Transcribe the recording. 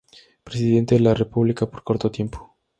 Presidente de la República por corto tiempo.